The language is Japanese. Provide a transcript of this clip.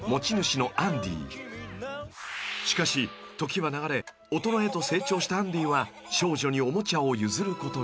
［しかし時は流れ大人へと成長したアンディは少女におもちゃを譲ることに］